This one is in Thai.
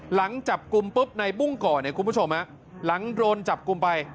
หลังจับกลุ้มปุ๊บในบุ้งก่อหลังโดนจับกลุ้มไป